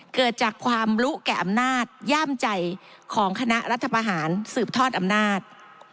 เกิดจากความรู้แก่อำนาจย่ามใจของคณะรัฐประหารสืบทอดอำนาจ